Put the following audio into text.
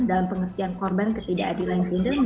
dalam pengertian korban ketidakadilan video